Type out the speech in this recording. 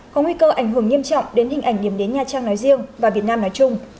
có nguy cơ ảnh hưởng nghiêm trọng đến hình ảnh điểm đến nha trang nói riêng và việt nam nói chung